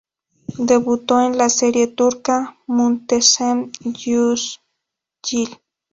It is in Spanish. Debutó en la serie turca "Muhteşem Yüzyıl".